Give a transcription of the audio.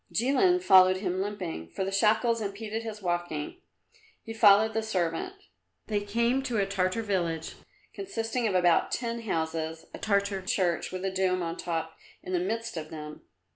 Jilin followed him limping, for the shackles impeded his walking. He followed the servant. They came to a Tartar village, consisting of about ten houses, a Tartar church with a dome on top in the midst of them.